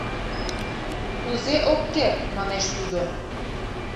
— Кузе ок керт, — манеш тудо.